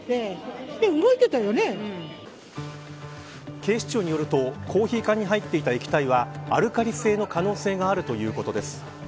警視庁によると、コーヒー缶に入っていた液体はアルカリ性の可能性があるということです。